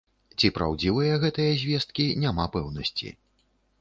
Ці праўдзівыя гэтыя звесткі, няма пэўнасці.